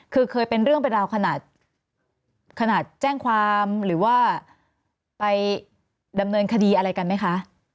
คือเคยเป็นเรื่องเป็นราวขนาดแจ้งความหรือว่าไปดำเนินคดีอะไรกันไหมคะ